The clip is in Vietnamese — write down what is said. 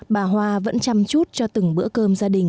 bà hoa vẫn chăm chút cho từng bữa cơm gia đình